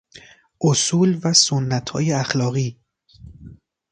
اصول و سنتهای اخلاقی